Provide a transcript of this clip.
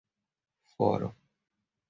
foro